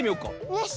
よし。